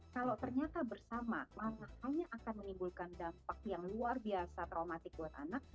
kalau ternyata bersama hanya akan menimbulkan dampak yang luar biasa traumatik buat anak